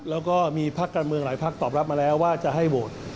แล้วก็มีภาคกลางเมืองหลายภาคตอบรับมาแล้วว่าจะให้โวทธ์